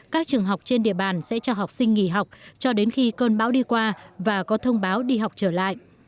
các trường học trên địa bàn sẽ cho học sinh nghỉ học cho đến khi cơn bão đi qua và có thông báo đi học trở lại